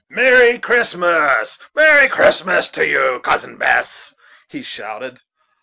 "Merry Christmas, merry Christmas to you, Cousin Bess," he shouted.